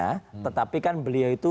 ya tetapi kan beliau itu